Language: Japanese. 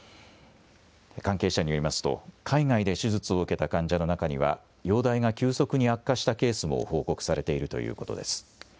関係者によりますと、海外で手術を受けた患者の中には、容体が急速に悪化したケースも報告されているということです。